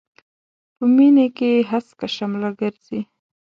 په مينې کې هسکه شمله ګرځي.